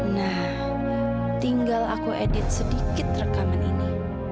nah tinggal aku edit sedikit rekaman ini